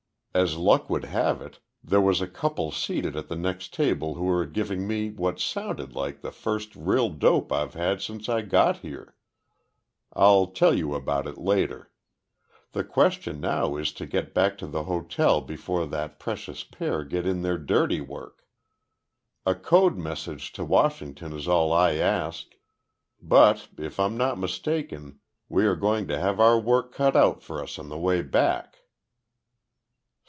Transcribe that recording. As luck would have it, there was a couple seated at the next table who were giving me what sounded like the first real dope I've had since I got here. I'll tell you about it later. The question now is to get back to the hotel before that precious pair get in their dirty work. A code message to Washington is all I ask but, if I'm not mistaken, we are going to have our work cut out for us on the way back."